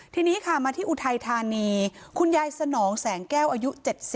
ทีนี้ค่ะมาที่อุทัยธานีคุณยายสนองแสงแก้วอายุ๗๐